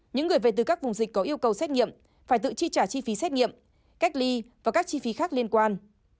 những người về từ các vùng dịch có yêu cầu xét nghiệm phải tự chi trả chi phí xét nghiệm cách ly và các chi phí khác liên quan